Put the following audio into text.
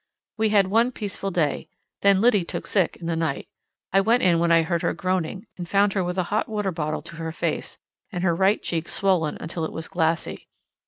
We had one peaceful day—then Liddy took sick in the night. I went in when I heard her groaning, and found her with a hot water bottle to her face, and her right cheek swollen until it was glassy.